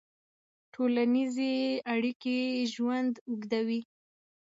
ټولنیزې اړیکې ژوند اوږدوي.